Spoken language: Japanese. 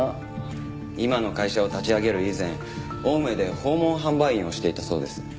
今の会社を立ち上げる以前青梅で訪問販売員をしていたそうです。